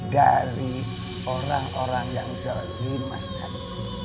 dari orang orang yang jahil mas danu